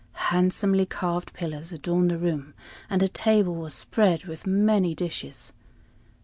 Handsomely carved pillars adorned the room, and a table was spread with many dishes.